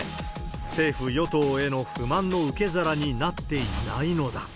政府・与党への不満の受け皿になっていないのだ。